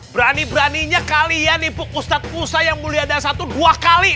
berani beraninya kalian ibu ustadz ustadz yang mulia dan satu dua kali